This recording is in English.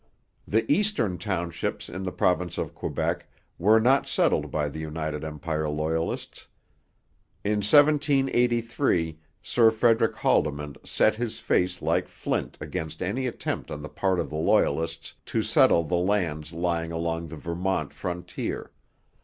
The Eastern Townships in the province of Quebec were not settled by the United Empire Loyalists. In 1783 Sir Frederick Haldimand set his face like flint against any attempt on the part of the Loyalists to settle the lands lying along the Vermont frontier.